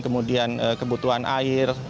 kemudian kebutuhan air